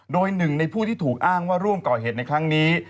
โดยหนึ่งในผู้ที่ถูกอ้างว่าร่วมก่อเหตุในครั้งนี้